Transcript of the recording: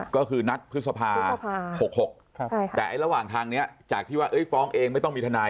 ก็คือนัดพฤษภา๖๖แต่ระหว่างทางนี้จากที่ว่าฟ้องเองไม่ต้องมีทนาย